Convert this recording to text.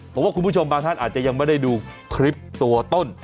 ผมว่าคุณผู้ชมบางท่านอาจจะยังไม่ได้ดูคลิปตัวต้น